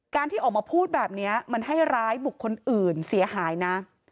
ที่ออกมาพูดแบบนี้มันให้ร้ายบุคคลอื่นเสียหายนะ